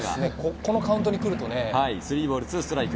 このカウントに来るとね。